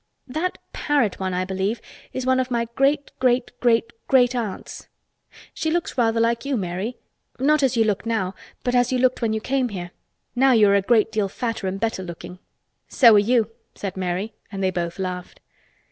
That parrot one, I believe, is one of my great, great, great, great aunts. She looks rather like you, Mary—not as you look now but as you looked when you came here. Now you are a great deal fatter and better looking." "So are you," said Mary, and they both laughed.